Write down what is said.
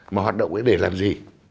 mà hoạt động ấy để làm gì